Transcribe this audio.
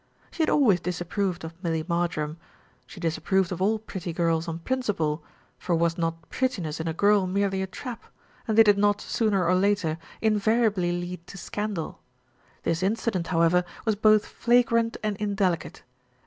She had always disapproved of Millie Marjoram; she disapproved of all pretty girls on principle, for was not prettiness in a girl merely a trap, and did it not, sooner or later, invariably lead to scandal? This incident, however, was both flagrant and indelicate.